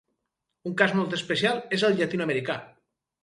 Un cas molt especial és el llatinoamericà.